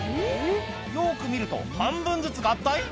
よく見ると半分ずつ合体？